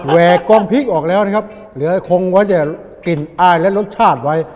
แวกกล้องพริกออกแล้วนะครับเหลือคงไว้แต่กลิ่นอ้ายและรสชาติไว้